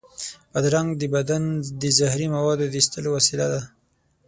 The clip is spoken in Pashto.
بادرنګ د بدن د زهري موادو د ایستلو وسیله ده.